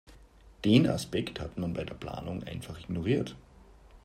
Den Aspekt hat man bei der Planung einfach ignoriert.